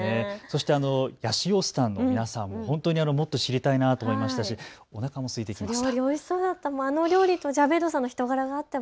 そしてヤシオスタンの皆さん本当にもっと知りたいなと思いましたし、おなかもすいてきました。